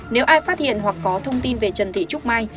nếu ai phát hiện hoặc có thông tin về trần thị trúc mai